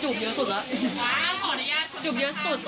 จูบเยอะสุด